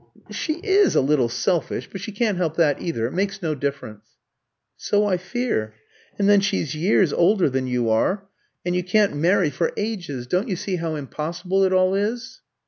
"She is a little selfish, but she can't help that either. It makes no difference." "So I fear. And then she's years older than you are, and you can't marry for ages; don't you see how impossible it all is?"